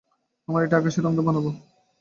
আমরা এইটা আকাশী রঙের বানাব।